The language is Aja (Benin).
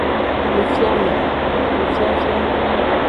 Nufiame, nufiafia.